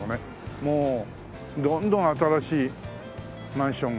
もうどんどん新しいマンションが。